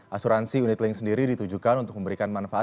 asuransi unit link sendiri ditujukan untuk memberikan manfaat